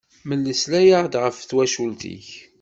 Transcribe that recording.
Melslay-aɣ-d ɣef twacult-ik!